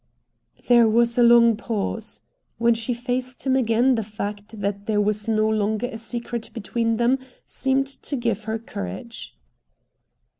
There was a long pause. When she faced him again the fact that there was no longer a secret between them seemed to give her courage.